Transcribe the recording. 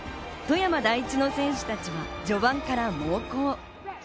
富山第一の選手たちは序盤から猛攻。